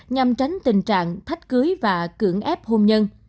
nhằm tránh tình trạng thách cưới và cưỡng ép hôn nhân